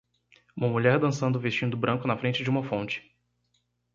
Uma mulher dançando vestindo branco na frente de uma fonte.